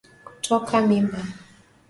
Kutoka mimba